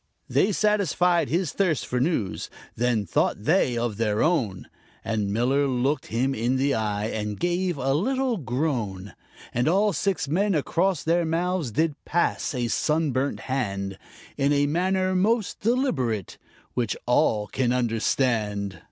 They satisfied his thirst for news, then thought they of their own, And Miller looked him in the eye and gave a little groan, And all six men across their mouths did pass a sun burnt hand In a manner most deliberate, which all can understand.